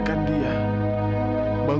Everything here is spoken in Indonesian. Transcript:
kamu di luar